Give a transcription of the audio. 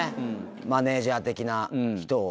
マネージャー的な人を。